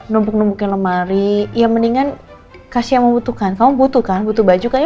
numpuk numpuk lemari ya mendingan kasih yang membutuhkan kamu butuhkan butuh baju kan ya